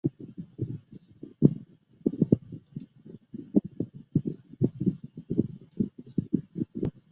武装刺铠虾为铠甲虾科刺铠虾属下的一个种。